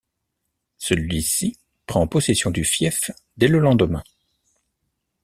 Celui-ci prend possession du fief dès le lendemain.